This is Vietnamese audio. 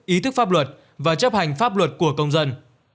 ý thức pháp luật và chấp hành pháp luật của công dân